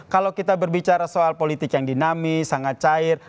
kalau kita berbicara soal politik yang dinamis sangat cair